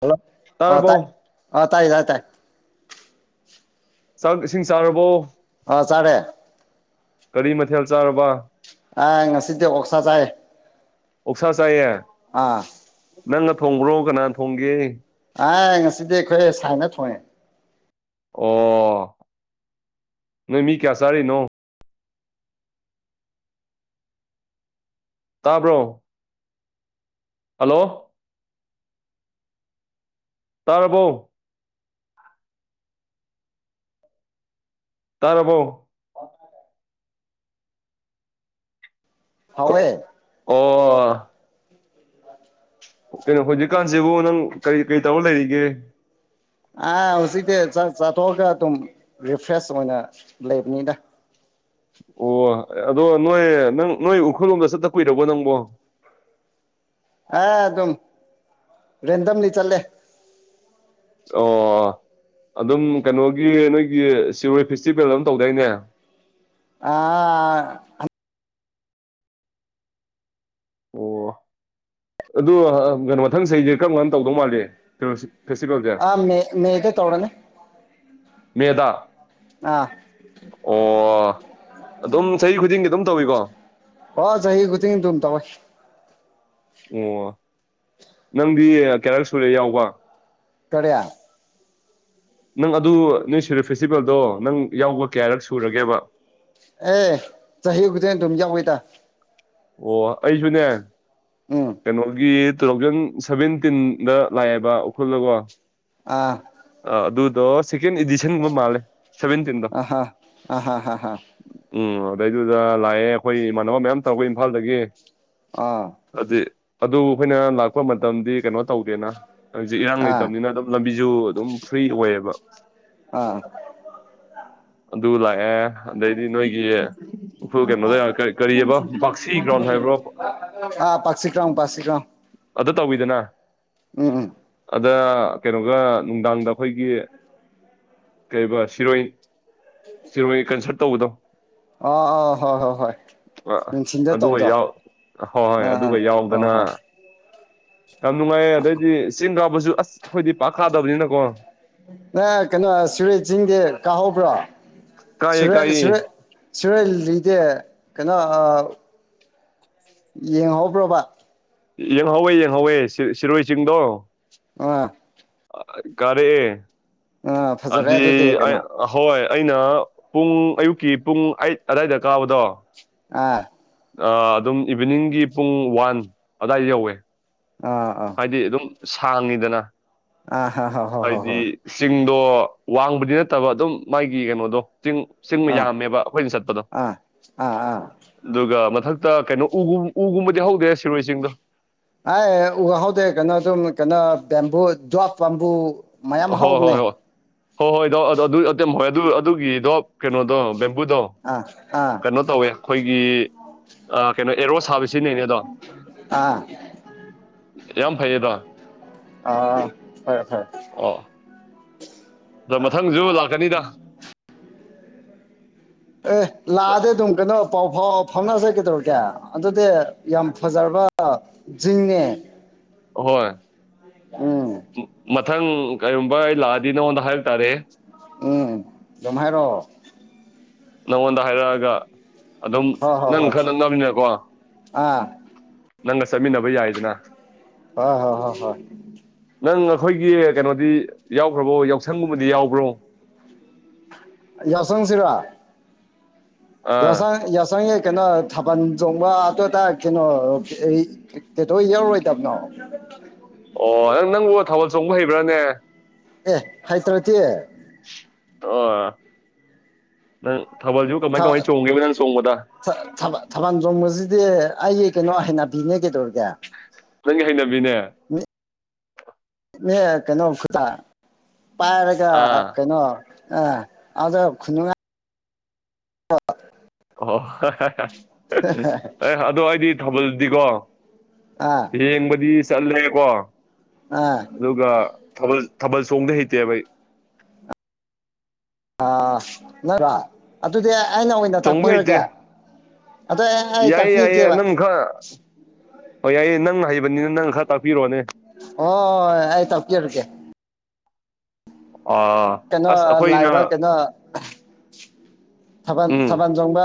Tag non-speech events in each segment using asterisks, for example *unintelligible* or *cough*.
hello ꯑ ꯆꯥꯔꯕꯣ ꯇꯥꯏ ꯑ ꯇꯥꯏ ꯇꯥꯏ ꯇꯥꯏ ꯆꯥꯛ ꯏꯁꯤꯡ ꯆꯥꯔꯕꯣ ꯑ ꯆꯥꯔꯦ ꯀꯔꯤ ꯃꯊꯦꯜ ꯆꯥꯔꯕ ꯑ ꯉꯁꯤꯗꯤ ꯑꯣꯛꯁꯥ ꯆꯥꯏ ꯑꯣꯛꯁꯥ ꯆꯥꯏꯌꯦ ꯑꯥ ꯅꯪꯅ ꯊꯣꯡꯕ꯭ꯔꯣ ꯀꯅꯥꯅ ꯊꯣꯡꯒꯦ ꯑ ꯉꯁꯤꯗꯤ ꯑꯩꯈꯣꯏ ꯁꯥꯏꯅ ꯊꯣꯡꯉꯦ ꯑꯣ ꯅ ꯃꯤ ꯀꯌꯥ ꯁꯔꯦꯅꯣ ꯇꯥꯕ꯭ꯔꯣ ꯍꯜꯂꯣ ꯇꯔꯕꯣ ꯇꯥꯔꯕꯣ ꯍꯥꯎꯋ ꯑꯣ ꯀꯩꯅꯣ ꯍꯧꯖꯤꯛꯀꯥꯟꯁꯤꯕꯨ ꯅꯪ ꯀꯔꯤ ꯀꯔꯤ ꯇꯧꯔ ꯂꯩꯔꯤꯒꯦ ꯑꯥ ꯍꯧꯖꯤꯛꯇꯤ ꯆꯥꯊꯣꯛꯑꯒ ꯑꯗꯨꯝ ꯔꯤꯐ꯭ꯔꯦꯁ ꯑꯣꯏꯅ ꯂꯩꯕꯅꯤꯅ ꯑꯣ ꯑꯗꯣ ꯅꯣꯏ ꯅꯪ ꯅꯣꯏ ꯎꯈ꯭ꯔꯨꯜ ꯂꯣꯝꯗ ꯆꯠꯊꯄꯤꯨꯔꯧꯕꯣ ꯅꯪꯕꯣ *inaudible* ꯑꯦ ꯑꯗꯨꯝ ꯔꯦꯟꯗꯝꯗꯝꯂꯤ ꯆꯠꯂꯦ ꯑꯣ ꯑ ꯑꯗꯨꯝ ꯀꯩꯅꯣꯒꯤ ꯅꯣꯏꯒꯤ ꯁꯤꯔꯣꯏ ꯐꯦꯁꯇꯤꯚꯦꯜ ꯑꯗꯨꯝ ꯇꯧꯗꯣꯏꯅꯦ ꯑ ꯑꯣ ꯑꯗꯨ ꯀꯩꯅꯣ ꯃꯊꯪ ꯆꯍꯤꯁꯦ ꯀꯔꯝ ꯀꯔꯝ ꯇꯧꯗꯧ ꯃꯥꯜꯜꯂꯤꯦ ꯑ ꯃꯦ ꯃꯦꯗ ꯇꯧꯅꯦ ꯃꯦꯗꯥ ꯑꯣ ꯑꯗꯨꯝ ꯆꯍꯤ ꯈꯨꯗꯤꯡꯒꯤ ꯑꯗꯨꯝ ꯇꯧꯋꯤꯀꯣ ꯍ ꯆ ꯆꯍꯤ ꯈꯨꯊ ꯇ ꯇꯃꯛ ꯑꯣ ꯅꯪꯗꯤ ꯀꯦꯔꯛ ꯁꯨꯔꯦ ꯌꯥꯎꯕ ꯇꯔ ꯅꯪ ꯑꯗꯨ ꯅꯣꯏ ꯁꯨꯔꯦ ꯐꯦꯁꯇꯤꯚꯦꯜꯗꯣ ꯅꯪ ꯌꯥꯎꯕ ꯀꯌꯥꯔꯛ ꯁꯨꯔꯒꯦꯕ ꯑꯦ ꯆꯍꯤꯖ ꯊꯝꯖ ꯑꯣꯏꯇꯥ ꯑꯣ ꯑꯩꯁꯨꯅꯦ ꯎꯝ ꯀꯩꯅꯣꯒꯤ ꯇꯨ ꯊꯥꯎꯖꯟ ꯁꯚꯦꯟꯇꯤꯟꯗ ꯂꯥꯛꯑꯦꯕ ꯎꯈ꯭ꯔꯨꯜꯅꯀꯣ ꯑꯥ ꯑꯗꯨ ꯁꯦꯀꯦꯟ ꯏꯗꯤꯁꯟꯒꯨꯝꯕ ꯃꯥꯜꯂꯦ ꯁꯚꯦꯟꯇꯤꯟꯗꯣ ꯑꯍꯥ ꯑꯍꯥ ꯍꯥ ꯍꯥ ꯎꯝ ꯑꯗꯩꯗꯨꯗ ꯂꯥꯛꯑꯦ ꯑꯩꯈꯣꯏ ꯏꯃꯥꯟꯅꯕ ꯃꯌꯥꯝ ꯇꯧꯔꯒ ꯏꯝꯐꯥꯜꯗꯒꯤ ꯑꯥ ꯑꯗꯨ ꯑꯗꯨ ꯑꯩꯈꯣꯏꯅ ꯂꯥꯛꯄ ꯃꯇꯝꯗꯤ ꯀꯩꯅꯣ ꯇꯧꯗꯦꯅ ꯍꯧꯖꯤꯛ ꯏꯔꯥꯡ ꯑꯥ ꯂꯩꯇꯕꯅꯤꯅ ꯑꯗꯨꯝ ꯂꯝꯕꯤꯁꯨ ꯑꯗꯨꯝ ꯐ꯭ꯔꯤ ꯑꯣꯏꯌꯦꯕ ꯑꯥ *unintelligible* ꯑꯗꯨ ꯂꯥꯛꯑꯦ ꯑꯗꯩꯗꯤ ꯅꯣꯏꯒꯤ ꯎꯨ ꯀꯩꯅꯣꯗ ꯀꯔꯤꯑꯕꯣ ꯑ ꯄꯁꯤ꯭ꯔꯝ ꯄꯁꯤ꯭ꯔꯝ ꯑ ꯇꯧꯕꯤꯗꯅ ꯎꯝ ꯎꯝ ꯑꯗ ꯀꯩꯅꯣꯒ ꯅꯨꯡꯗꯥꯡꯗ ꯑꯩꯈꯣꯏꯒꯤ ꯀꯩꯔꯤꯕ ꯁꯤꯔꯣꯏ ꯁꯤꯔꯣꯏ ꯀꯟꯁꯔꯠ ꯇꯧꯕꯗꯣ ꯑ ꯑ ꯍꯣꯏ ꯍꯣꯏ ꯍꯣꯏ ꯅ ꯅꯤꯡꯁꯤꯡꯤꯟꯗ ꯑꯗꯨꯒ ꯇꯧꯗ ꯌꯥꯎ ꯍꯣꯏ ꯍꯣꯏ ꯑꯥ ꯑꯗꯨꯒ ꯑꯥ ꯌꯥꯎꯗꯅ ꯍꯣ ꯌꯥꯝ ꯅꯨꯡꯉꯥꯏꯌꯦ ꯑꯗꯩꯗꯤ ꯆꯤꯟꯗꯥꯕꯁꯨ ꯑꯁ ꯑꯩꯈꯣꯏꯗꯤ ꯄꯥꯛꯈꯥꯗꯕꯅꯤꯅꯀꯣ ꯅ ꯀꯩꯅꯣ ꯁꯨꯔꯦꯠꯁꯤꯡꯒꯤꯤꯡ ꯀꯥꯍꯧꯕ꯭ꯔꯣ ꯀꯥꯏꯌꯦ ꯨꯔꯨꯔ ꯀꯥꯏꯌꯦ ꯁꯨꯔꯣꯏ ꯂꯤꯗꯦ ꯩꯅ ꯌꯦꯡꯍꯧꯕ꯭ꯔꯣꯕ ꯌꯦꯡꯍꯧꯋꯦ ꯌꯦꯡꯍꯧꯋꯦ ꯁꯤꯔꯣꯏ ꯆꯤꯡꯗꯣ ꯑ ꯀꯔꯦ ꯑꯦ ꯐꯖꯔꯦ ꯑꯗꯤ ꯑꯗꯨꯗꯤ ꯀꯩꯅꯣ ꯍꯣꯏ ꯑꯩꯅ ꯄꯨꯡ ꯑꯌꯨꯛꯀꯤ ꯄꯨꯡ ꯑꯠ ꯑꯗꯥꯏꯗ ꯀꯥꯕꯗꯣ ꯑꯥ ꯑꯗꯨꯝ ꯏꯚꯤꯅꯤꯡꯒꯤ ꯄꯨꯡ ꯋꯥꯟ ꯑꯗꯨꯗꯥꯋꯥꯏꯗ ꯌꯧꯋꯦ ꯑꯥ ꯑꯥ ꯍꯥꯏꯗꯤ ꯑꯗꯨꯝ ꯁꯥꯡꯉꯤꯗꯅ ꯑꯥ ꯍꯥ ꯍꯥ ꯍꯣ ꯍꯣ ꯍꯥꯏꯗꯤ ꯍꯣꯏ ꯆꯤꯡꯗꯣ ꯋꯥꯡꯕꯗꯤ ꯅꯠꯇꯕ ꯑꯗꯨꯝ ꯃꯥꯒꯤ ꯀꯩꯅꯣꯗꯣ ꯆꯤꯡ ꯆꯤꯡ ꯑꯥ ꯌꯥꯝꯔꯝꯃꯦꯕ ꯑꯩꯈꯣꯏꯅ ꯆꯠꯄꯗꯣ ꯑꯥ ꯑꯥ ꯑꯥ ꯑꯗꯨꯒ ꯃꯊꯛꯇ ꯀꯩꯅꯣ ꯎꯒꯨꯝꯕꯗꯤ ꯍꯧꯗꯦ ꯁꯤꯔꯣꯏ ꯆꯤꯡꯗꯣ ꯑꯦ ꯎꯍꯗꯦ ꯀꯩꯅꯣ ꯑꯗꯨꯝ ꯀꯩꯅꯣ ꯕꯦꯝꯕꯨ ꯗꯞ ꯕꯦꯝꯕꯨ ꯃꯌꯥꯝ ꯍꯣꯏ ꯍꯥꯎꯕꯅꯦ ꯍꯣꯏ ꯍꯣꯏ ꯍꯣꯏ ꯍꯣꯏ ꯏꯗꯎ ꯑꯗꯨ ꯑꯦꯝ ꯍꯣꯏ ꯑꯗꯨ ꯑꯗꯨꯒꯤꯗꯣ ꯀꯩꯅꯣꯗꯣꯕ ꯗꯣ ꯑꯥ ꯑꯥ ꯀꯩꯅꯣ ꯇꯧꯋꯦ ꯑꯩꯈꯣꯏꯒꯤ ꯀꯩꯅꯣ ꯑꯦꯔꯣ ꯁꯥꯕꯤ ꯁꯤꯟꯅꯅꯦ ꯑꯗꯣ ꯑꯥ ꯌꯥꯝ ꯐꯩꯌꯦꯗ ꯑ ꯍꯣꯏ ꯍꯣꯏ ꯑ ꯑꯗꯣ ꯃꯊꯪꯁꯨ ꯂꯥꯛꯀꯅꯤꯗ ꯑꯦ ꯂꯥꯛꯑꯗꯤ ꯗꯨꯝ ꯀꯩꯅꯣ ꯄꯥꯎ ꯐꯥꯎ ꯐꯥꯎꯅꯔꯁꯦ ꯀꯩꯗꯧꯔꯒꯦ ꯑꯗꯨꯗꯤ ꯌꯥꯝ ꯐꯖꯔꯕ ꯖꯤꯡꯅꯦ ꯍꯣꯏ ꯎꯝ ꯃꯊꯪ ꯀꯔꯤꯒꯨꯝꯕ ꯑꯩ ꯂꯥꯛꯑꯗꯤ ꯅꯉꯣꯟꯗ ꯍꯥꯏꯔꯛ ꯇꯥꯔꯦꯍꯦ ꯎꯝ ꯗꯝꯍꯥꯏꯔꯣ ꯅꯉꯣꯟꯗ ꯍꯥꯏꯔꯛꯑꯒ ꯑꯗꯨꯝ ꯍꯣꯏ ꯍꯣꯏ ꯅꯪ ꯍꯣꯏ ꯈꯔ ꯅꯛꯅꯃꯤꯅꯀꯣ ꯑꯥ ꯅꯪꯒ ꯆꯠꯃꯤꯟꯅꯕ ꯌꯥꯏꯗꯅ ꯍꯣꯏ ꯍꯣꯏ ꯍ ꯍꯣꯏ ꯅꯪ ꯑꯩꯈꯣꯏꯒꯤ ꯀꯩꯅꯣꯗꯤ ꯌꯥꯎꯈ꯭ꯔꯕꯣ ꯌꯥꯎꯁꯪꯒꯨꯝꯕꯗꯤ ꯌꯥꯎꯕ꯭ꯔꯣ ꯌꯥꯎꯁꯪꯁꯤꯔꯣ ꯑꯥ ꯌꯥꯎꯁꯪ ꯌꯥꯎꯁꯪ ꯉ ꯀꯩꯅꯣ ꯊꯥꯕꯜ ꯆꯣꯡꯕ ꯇꯣ ꯇ ꯀꯩꯅꯣ ꯀꯇꯧ ꯌꯥꯎꯔꯣꯏ ꯇꯥꯕꯅꯣ ꯑꯣ ꯅꯪ ꯅꯪꯕꯨ ꯊꯥꯕꯜ ꯆꯣꯡꯕ ꯍꯩꯕ꯭ꯔꯥꯅꯦ ꯑꯦ ꯍꯩꯇ꯭ꯔꯗꯤ ꯑꯥ ꯊꯥ ꯊꯥ ꯊꯥ ꯊꯥꯕꯜ ꯆꯣꯡꯕꯁꯤꯗꯤ ꯑꯩꯒꯤ ꯀꯩꯅꯣ ꯍꯩꯅꯕꯤ ꯕꯤꯅꯦ ꯀꯩꯗꯧꯔꯒꯦ ꯅꯪꯒꯤ ꯍꯩꯅꯕꯤꯅꯦ ꯑꯦ ꯀꯩꯅꯣ ꯈꯨꯗꯥ ꯄꯥꯏꯔꯒ ꯑꯥ ꯀꯩꯅꯣ ꯑ ꯑꯗꯣ ꯈꯨꯟꯅꯨꯡꯉꯥꯏ ꯑꯣ ꯍꯦ ꯍꯦ ꯍꯥ ꯑꯦ ꯑꯗꯣ ꯑꯩꯗꯤ ꯊꯥꯕꯜꯗꯤꯀꯣ ꯑꯥ ꯌꯦꯡꯕꯗꯤ ꯆꯠꯂꯦꯀꯣ ꯑꯥ ꯑꯗꯨꯒ ꯊꯥꯕꯜ ꯊꯥꯕꯜ ꯆꯣꯡꯗꯤ ꯍꯩꯇꯦꯕ ꯑꯩ ꯑꯥꯁ ꯅ꯭ꯔ ꯑꯗꯨꯗꯤ ꯑꯩꯅ ꯑꯣꯏꯅ ꯆꯣꯡꯕ ꯍꯩꯇꯦ ꯇꯥꯛꯄꯤꯔꯒꯦ ꯑꯗꯣ ꯑꯩ ꯌꯥꯏꯌꯦ ꯌꯥꯏꯌꯦ ꯇꯥꯛꯄꯤꯒꯦꯕ ꯅꯪ ꯈꯔ ꯍꯣ ꯌꯥꯏꯌꯦ ꯅꯪ ꯍꯩꯕꯅꯤꯅ ꯅꯪ ꯈꯔ ꯇꯥꯛꯄꯤꯔꯣꯅꯦ ꯍꯣꯌ ꯑꯩ ꯇꯥꯛꯄꯤꯔꯒꯦ ꯑ ꯀꯩꯅꯣ ꯑꯁ ꯂꯥꯛꯏꯕ ꯑꯩꯈꯣꯏꯅ ꯀꯩꯅꯣ ꯊꯥꯕꯜ ꯎꯝ ꯊꯥꯕꯜ ꯆꯣꯡꯕ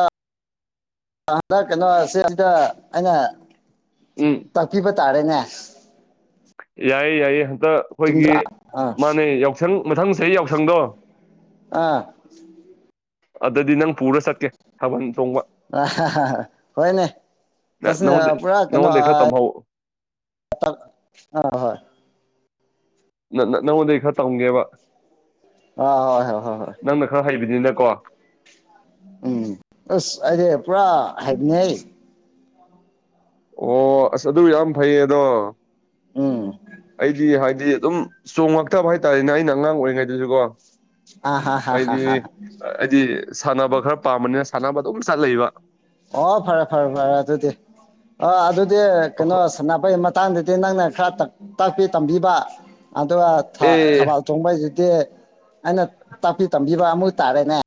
ꯅ ꯀꯩꯅꯣ ꯁꯦ ꯁꯤꯇ ꯑꯩꯅ ꯎꯝ ꯇꯥꯛꯄꯤꯕ ꯇꯥꯔꯦꯅꯦ ꯌꯥꯏꯌꯦ ꯌꯥꯏꯌꯦ ꯍꯨ ꯗ ꯑꯩꯈꯣꯏꯒꯤ ꯆꯨꯝꯗ꯭ꯔꯥ ꯑꯥ ꯃꯥꯅꯦ ꯌꯥꯎꯁꯪ ꯃꯊꯪ ꯆꯍꯤ ꯌꯥꯎꯁꯪꯗꯣ ꯑ ꯑꯗꯗꯤ ꯅꯪ ꯄꯨꯔ ꯆꯠꯀꯦ ꯊꯥꯕꯟ ꯑꯥ ꯍꯥ ꯍ ꯍꯥ ꯍꯥ ꯍꯣꯏꯅꯦ ꯆꯠꯁꯤꯅꯦ ꯅꯪꯉꯣꯟꯗ ꯄꯨꯔꯥ ꯀꯩꯅꯣ ꯅꯪꯉꯣꯟꯗꯩ ꯈꯔ ꯑꯥ ꯇꯝꯍꯧ ꯑꯥ ꯍꯣꯏ ꯅ ꯅꯪꯉꯣꯟꯗꯩ ꯈꯔ ꯇꯝꯒꯦꯕ ꯑ ꯍꯣꯏ ꯍꯣꯏ ꯍꯣꯏ ꯍꯣꯏ ꯌꯨꯅꯀꯣ ꯎꯝ ꯑꯁ ꯑꯩꯗꯤ ꯄꯨꯔꯥ ꯍꯩꯕꯅꯤ ꯍꯩ ꯑꯣ ꯑꯁ ꯑꯗꯨ ꯌꯥꯝ ꯐꯩꯌꯦ ꯑꯗꯣ ꯎꯝ ꯑꯩꯗꯤ ꯍꯥꯏ ꯗꯤ ꯑꯗꯨꯝ ꯆꯣꯉꯛꯇꯕ ꯍꯥꯏꯇꯥꯔꯦꯅꯦ ꯑꯩꯅ ꯑꯉꯥꯡ ꯑꯣꯏꯔꯤꯉꯩꯗꯨꯁꯨꯀꯣ ꯑꯥ ꯍꯥ ꯍꯥ ꯍꯥ ꯑꯩꯏꯗꯤ ꯍꯥ ꯑꯩꯗꯤ ꯁꯥꯟꯅꯕ ꯈꯔ ꯄꯥꯝꯕꯅꯤꯅ ꯁꯥ ꯁꯥꯟꯅꯕ ꯑꯗꯨꯝ ꯆꯠ ꯂꯩꯕ ꯑꯣ ꯐꯔꯦ ꯐꯔꯦ ꯐꯔꯦ ꯑꯗꯨꯗꯤ ꯑꯣ ꯑꯗꯨꯗꯤ ꯀꯩꯅꯣ ꯁꯅꯥꯄꯩ ꯃꯠ ꯃꯇꯥꯡꯗꯗꯤ ꯅꯪꯅ ꯈꯔ ꯇꯥ ꯇꯥꯛꯄꯤ ꯇꯝꯕꯤꯕ ꯑꯗꯨꯒ ꯊꯥ ꯑꯦ ꯊꯕꯥꯜ ꯆꯣꯡꯕꯩꯁꯤ ꯗꯤ ꯑꯩꯅ ꯇꯥꯛꯄꯤ ꯇꯝꯕꯤꯕ ꯑꯃꯨꯛ ꯇꯥꯔꯦꯅꯦ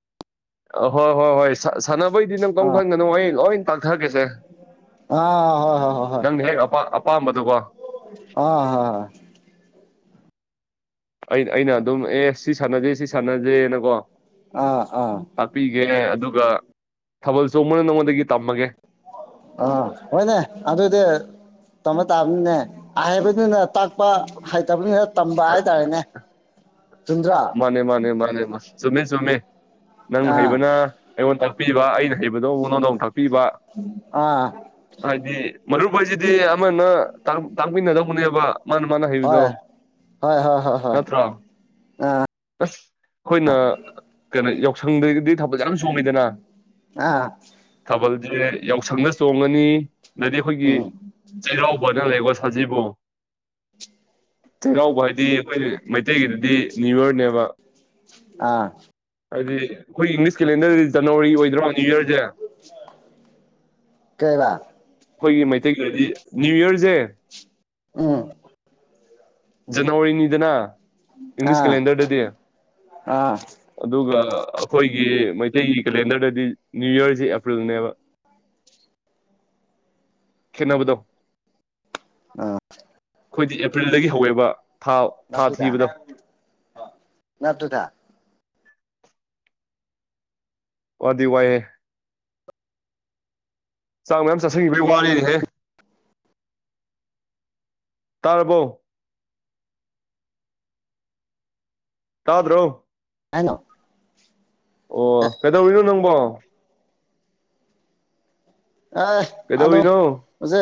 ꯑꯍꯣꯏ ꯍꯣꯏ ꯍꯣꯏ ꯁꯥ ꯁꯥꯟꯅꯕꯩꯗꯤ ꯅꯪ ꯀꯩꯝ ꯑꯥ ꯈꯟꯒꯅꯣ ꯑꯩ ꯂꯣꯏ ꯇꯥꯛꯊꯒꯦꯁꯦ ꯑꯥ ꯍꯣꯌ ꯍꯦꯛ ꯑꯄꯥ ꯍꯣꯌ ꯑꯄꯥꯝꯕꯗꯣꯀꯣ ꯍꯣꯌ ꯍꯣꯌ ꯑ ꯍ ꯑꯩ ꯑꯩꯅ ꯑꯗꯨꯝ ꯑꯦ ꯁꯤ ꯁꯥꯟꯅꯖꯦ ꯁꯤ ꯁꯥꯟꯅꯖꯦꯅꯀꯣ ꯑꯥ ꯑꯥ ꯇꯥꯛꯄꯤꯒꯦ ꯑꯗꯨꯒ ꯊꯥꯕꯜꯁꯨ ꯃꯣꯏꯅ ꯅꯉꯣꯟꯗꯒꯤ ꯇꯝꯃꯒꯦ ꯑ ꯍꯣꯏꯅꯦ ꯑꯗꯨꯗ ꯏꯗ ꯇꯝꯕ ꯇꯥꯕꯅꯤꯅꯦ ꯍꯥꯏꯕꯅꯤꯅ ꯇꯥꯛꯄ ꯍꯥꯏꯇꯕꯅꯤꯅ ꯄꯝꯕꯥꯜ ꯇꯅꯦ ꯃꯥꯅꯦ ꯃꯥꯅꯦ ꯃꯥꯅꯦ ꯃꯥ ꯆꯨꯝꯃꯦ ꯆꯨꯝꯃꯦ ꯅꯪ ꯑꯥ ꯍꯩꯕꯅ ꯑꯩꯉꯣꯟ ꯄꯤꯕ ꯑꯩꯅ ꯍꯩꯕꯗꯕꯨ ꯅꯉꯣꯟꯗ ꯑꯃꯨꯛꯥꯛꯛꯄꯤ ꯄꯤꯕ ꯑꯥ ꯍꯥꯏꯗꯤ ꯃꯔꯨꯞꯁꯤꯗꯤ ꯑꯃꯅ ꯇꯥꯛꯃꯤꯟꯅꯗꯧꯕꯅꯦꯕ ꯃꯥꯅ ꯃꯥꯅ ꯍꯩꯕꯗꯣ ꯍꯣꯏ ꯍꯣꯏ ꯍꯣꯏ ꯍꯣꯏ ꯍꯣꯏ ꯅꯠꯇ꯭ꯔꯣ ꯑꯁ ꯑꯩꯈꯣꯏꯅ ꯀꯩꯅꯣ ꯌꯥꯎꯁꯪꯗꯤ ꯊꯕꯁ ꯌꯥꯝ ꯆꯣꯡꯉꯗꯅ ꯑꯥ ꯦ ꯌꯥꯎꯁꯪꯗ ꯆꯣꯡꯉꯅꯤ ꯑꯗꯤ ꯑꯩꯈꯣꯏꯒꯤ ꯎꯝ ꯆꯩꯔꯥꯎꯕꯅ ꯂꯩꯀꯣ ꯁꯥꯖꯤꯕ ꯆꯩꯒꯥꯎꯕ ꯍꯥꯏꯗꯤ ꯑꯩꯈꯣꯏ ꯃꯩꯇꯩꯒꯤꯗꯗꯤ ꯅꯤꯕꯔꯅꯦꯕ ꯑꯥ ꯍꯥꯏꯗꯤ ꯑꯩꯈꯣꯏ ꯏꯪꯂꯤꯁ ꯀꯦꯂꯦꯟꯗꯔꯗꯗꯤ ꯖꯅꯋꯥꯔꯤ ꯑꯣꯏꯗꯣꯏ꯭ꯔꯣ ꯅ꯭ꯌꯨ ꯌꯔꯁꯦ ꯀꯩꯔ ꯑꯩꯈꯣꯏꯒꯤ ꯃꯩꯇꯩꯒꯤꯗꯤ ꯅ꯭ꯌꯨ ꯌꯔꯁꯦ ꯎꯝ ꯖꯅꯋꯥꯔꯤꯅꯤꯗꯅ ꯏꯪꯂꯤꯁ ꯑꯥ ꯀꯦꯂꯦꯟꯗꯔꯗꯗꯤ ꯑꯥ ꯑꯗꯨꯒ ꯑꯩꯈꯣꯏꯒꯤ ꯃꯩꯇꯩꯒꯤ ꯀꯦꯂꯦꯟꯗꯔꯗꯗꯤ ꯅ꯭ꯌꯨ ꯌꯔꯁꯤ ꯑꯦꯄ꯭ꯔꯤꯜꯅꯦꯕ ꯈꯟꯅꯕꯗꯣ ꯑꯥ ꯑꯩꯈꯣꯏꯗꯤ ꯑꯦꯄ꯭ꯔꯤꯜꯗꯒꯤ ꯍꯧꯋꯦꯕ ꯊꯥ ꯊꯥ ꯊꯤꯕꯗꯣ ꯅ ꯇ ꯊ ꯑꯗꯤ ꯋꯥꯏꯦ ꯆꯥꯡ ꯃꯌꯥꯝ ꯆꯥꯁꯤꯟꯈꯤꯕ ꯋꯥꯔꯤꯅꯦꯍꯦ ꯇꯥꯔꯕꯣ ꯇꯥꯗ꯭ꯔꯣ ꯍꯩꯅꯣ ꯑꯣ ꯀꯩꯗꯧꯔꯤꯅꯣ ꯅꯪꯕꯣ ꯑꯦ ꯑꯗꯨ ꯀꯩꯗꯧꯔꯤꯅꯣ ꯑꯗꯨꯁꯦ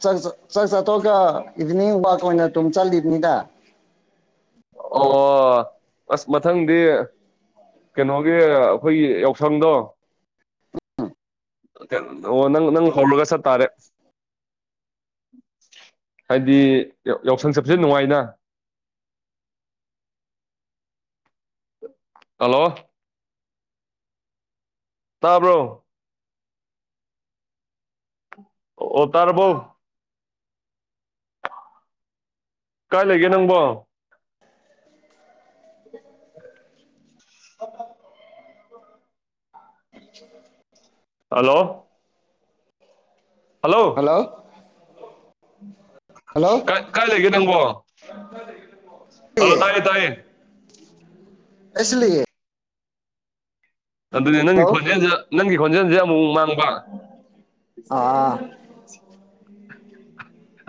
ꯆ ꯆ ꯆ ꯆꯠ ꯑꯇ ꯏꯚꯤꯅꯤꯡ ꯋꯥꯛ ꯑꯣꯏꯅ ꯑꯗꯨꯝ ꯆꯠꯂꯤꯕꯅꯤꯗ ꯑꯣ ꯑꯁ ꯃꯊꯪꯗꯤ ꯀꯩꯅꯣꯒꯤ ꯑꯩꯈꯣꯏꯒꯤ ꯌꯥꯎꯁꯪꯗꯣ ꯑꯣ ꯅꯪ ꯅꯪ ꯍꯒꯁ ꯇꯥꯔꯦ ꯍꯥꯏꯗꯤ ꯌꯥꯎꯁꯪ ꯆꯠꯁꯦ ꯅꯨꯡꯉꯥꯏꯅ ꯍꯜꯂꯣ ꯇꯥꯕ꯭ꯔꯣ ꯑꯣ ꯇꯔꯕꯣ ꯀꯥꯏ ꯂꯩꯒꯦ ꯅꯪꯕꯣ *inaudible* *inaudible* *inaudible* ꯍꯜꯂꯣ ꯍꯜꯂꯣ *unintelligible* ꯀ ꯀꯥꯏ ꯂꯩꯒꯦ ꯅꯪꯕꯣ ꯍꯜꯂꯣ ꯇꯥꯏ ꯇꯥꯏ ꯑꯩ ꯁꯤ ꯂꯩꯌꯦ ꯑꯗꯨꯅꯦ ꯅꯪꯒꯤ ꯈꯣꯟꯖꯦꯜꯁꯦ ꯅꯪꯒꯤ ꯈꯣꯟꯖꯦꯜꯁꯦ ꯑꯃꯨꯛ ꯃꯥꯡꯕ ꯑꯥ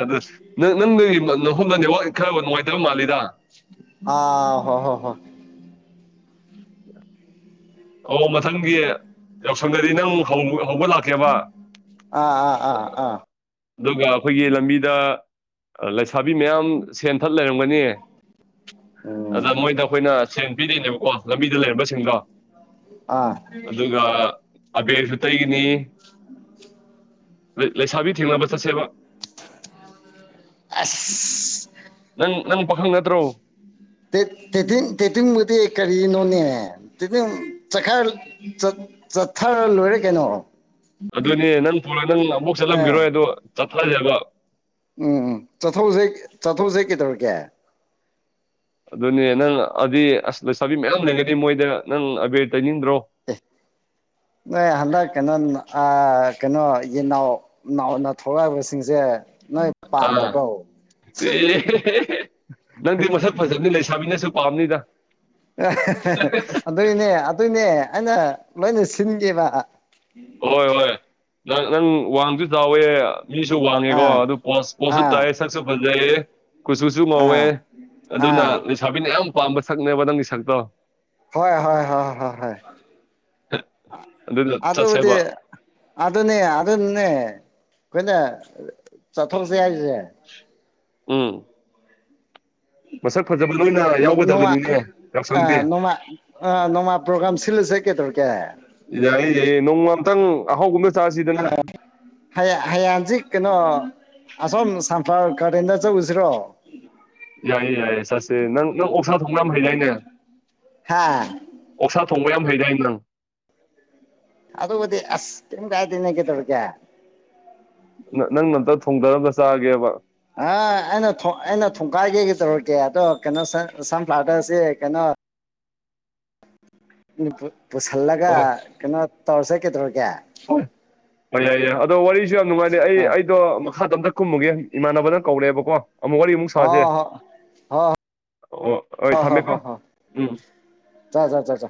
ꯑꯗꯁꯨ ꯅꯪ ꯅꯪ ꯅꯦꯋꯥꯛ ꯈꯔꯕ ꯅꯨꯡꯉꯥꯏꯇꯕ ꯃꯥꯜꯂꯤꯗ ꯑꯥ ꯍꯣ ꯍꯣ ꯍꯣ *unintelligible* ꯑꯣ ꯃꯊꯪꯒꯤ ꯌꯥꯎꯁꯪꯗꯗꯤ ꯅꯪ ꯍꯧ ꯍꯧꯕ ꯂꯥꯛꯀꯦꯕ ꯑꯥ ꯑꯥ ꯑꯥ ꯑꯥ ꯑꯗꯨꯒ ꯑꯩꯈꯣꯏꯒꯤ ꯂꯝꯕꯤꯗ ꯂꯩꯁꯥꯕꯤ ꯃꯌꯥꯝ ꯁꯦꯟ ꯊꯠ ꯂꯩꯔꯝꯒꯅꯤ ꯎꯝ ꯑꯗ ꯃꯣꯏꯗ ꯑꯩꯈꯣꯏꯅ ꯁꯦꯟ ꯄꯤꯗꯣꯏꯅꯦꯕ ꯀꯣ ꯂꯝꯕꯤꯗ ꯂꯩꯔꯕꯁꯤꯡꯗꯣ ꯑꯥ ꯑꯗꯨꯒ ꯑꯕꯦꯔꯁꯨꯇꯩꯒꯤꯅꯤ ꯂꯩꯦꯁꯥꯕꯤ ꯑ ꯅꯪ ꯅꯪ ꯄꯥꯈꯪ ꯅꯠꯇ꯭ꯔꯣ ꯊꯊ ꯃꯗꯤ ꯑꯩ ꯀꯔꯤ ꯅꯣꯅꯦ ꯆ ꯆꯠꯊꯔ ꯂꯣꯏꯔꯦ ꯀꯩꯅꯣꯔꯣ ꯑꯗꯨꯅꯦ ꯅꯪ ꯐꯣꯟ ꯅꯪ ꯑꯃꯨꯐꯛ ꯑꯦ ꯆꯠꯂꯝꯈꯤꯔꯣꯏ ꯑꯗ ꯆꯠꯊꯁꯕ ꯎꯝ ꯆꯠꯊꯣꯛꯁꯦ ꯆꯠꯊꯣꯛꯁꯦ ꯀꯩꯗꯧꯔꯀꯦ ꯑꯗꯨꯅꯦ ꯅꯪ ꯑꯗꯨꯗꯤ ꯑꯁ ꯂꯩꯁꯥꯕꯤ ꯃꯌꯥꯝ ꯂꯩꯒꯗꯤ ꯃꯣꯏꯗ ꯅꯪ ꯑꯕꯦꯠ ꯃ ꯍꯗ ꯀꯩꯅ ꯀꯩꯅꯣ ꯌꯦꯟꯅꯥꯎ ꯅꯥꯎꯅ ꯊꯣꯛꯂꯛꯏꯕꯁꯤꯡꯁꯦ ꯅꯣꯏ ꯑꯥ ꯄꯥꯝꯗ꯭ꯔꯕꯣ ꯅꯪꯗꯤ ꯃꯁꯛ ꯐꯖꯕꯅꯤ ꯂꯩꯁꯥꯃꯤꯟꯅꯁꯨ ꯄꯥꯝꯅꯤꯗ ꯑꯗꯨꯏꯅꯦ ꯑꯗꯨꯏꯅꯦ ꯑꯩꯅ ꯂꯣꯏꯅ ꯁꯤꯟꯒꯦꯕ ꯍꯣꯏ ꯍꯣꯏ ꯅꯪ ꯅꯪ ꯋꯥꯡꯁꯨ ꯆꯥꯎꯋꯦ ꯃꯤꯁꯨ ꯋꯥꯡꯉꯦꯀꯣ ꯑꯥ ꯑꯗꯨ ꯄꯣ ꯄꯣꯠꯁꯨ ꯑꯥ ꯇꯥꯏꯑꯌꯦ ꯁꯛꯁꯨ ꯐꯖꯩꯌꯦ ꯀꯨꯆꯨꯁꯨ ꯉꯧꯋꯦ ꯑꯥ ꯑꯗꯨꯅ ꯑꯥ ꯂꯩꯁꯥꯕꯤꯅ ꯌꯥꯝ ꯄꯥꯝꯕ ꯁꯛꯅꯦꯕ ꯅꯪꯒꯤ ꯁꯛꯇꯣ ꯍꯣꯏ ꯍꯣꯏ ꯍꯣꯏ ꯍꯣꯏ ꯍꯣꯏ ꯑꯗꯨꯅ ꯑꯗꯤ ꯑꯗꯨ ꯆꯠꯁꯦꯕ ꯑꯗꯨꯅꯅꯦ ꯑꯗꯨ ꯑꯗꯨꯦ ꯑꯩꯈꯣꯏꯅ ꯆꯠꯊꯣꯔꯁꯦ ꯍꯥꯏꯔꯤꯁꯦ ꯎꯝ ꯃꯁꯛ ꯐꯖꯕ ꯅꯣꯏꯅ ꯌꯥꯎꯒꯗꯕꯅꯤꯅꯦ ꯌꯥꯎꯁꯪꯗꯤ ꯄꯣꯒ꯭ꯔꯝ ꯁꯤ ꯁꯦ ꯀꯦ ꯇꯧꯔꯀꯦ ꯌꯥꯏꯌꯦ ꯅꯣꯡꯃꯥꯝꯇꯪ ꯑꯍꯥꯎꯒꯨꯝꯗ ꯆꯥꯁꯤꯗꯅ ꯍꯌꯦꯌꯥꯡꯖꯤꯛ ꯀꯩꯅꯣ ꯑꯁꯣꯝ ꯁꯝꯐ꯭ꯂꯥꯋꯔ ꯒꯥꯔꯗꯦꯟꯗ ꯆꯠꯎꯁꯤꯔꯣ ꯌꯥꯏꯌꯦ ꯌꯥꯏꯌꯦ ꯆꯠꯦ ꯅꯪ ꯅ ꯑꯣꯛꯁꯥ ꯊꯣꯡꯥ ꯍꯩ ꯂꯩꯅꯦ ꯍꯥ ꯑꯣꯛꯁ ꯊꯣꯡꯕ ꯌꯥꯝ ꯍꯩꯩꯅꯩ ꯅꯪ ꯑꯗꯕꯨꯗꯤ ꯑꯁ ꯀꯅ ꯀꯦꯇꯔꯀꯦ ꯅꯪꯅ ꯑꯝꯇ ꯊꯣꯡꯗꯔꯝꯒ ꯆꯥꯒꯦꯕ ꯑ ꯑꯩꯅ ꯑꯩꯅ ꯊꯣꯡꯈꯥꯏꯒꯦ ꯀ ꯇꯧꯔꯛꯀꯦ ꯑꯗꯣ ꯀꯩꯅꯣ ꯁꯟꯐ꯭ꯂꯥꯗꯔꯁꯤ ꯀꯩꯅꯣ *unintelligible* ꯄꯨꯁꯤꯜꯂꯒ ꯑꯣ ꯀꯩꯅꯣ ꯇꯧꯔ ꯆꯠꯀꯦꯗꯧꯒꯦ ꯍꯣꯏ ꯌꯥꯏ ꯌꯥꯏ ꯑꯗꯣ ꯋꯥꯔꯤꯁꯨ ꯌꯥꯝ ꯅꯨꯡꯉꯥꯏꯅꯩ ꯑꯩ ꯑꯥ ꯑꯩꯗꯣ ꯃꯈꯥ ꯇꯝꯇ ꯀꯨꯝꯃꯨꯒꯦ ꯏꯃꯥꯟꯅꯕꯅ ꯀꯧꯔꯛꯦꯕꯀꯣ ꯑꯃꯨꯛ ꯋꯥꯔꯤ ꯑꯃꯨꯛ ꯑꯣ ꯁꯥꯁꯦ ꯍꯣ ꯍꯣ ꯑꯣ ꯍꯣꯏ ꯊꯝꯃꯦꯀꯣ ꯎꯝ ꯆꯥ ꯆ ꯆꯥ ꯆ